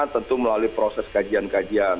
tentu melalui proses kajian kajian